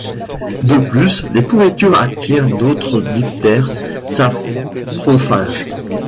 De plus, les pourritures attirent d'autres diptères saprophages.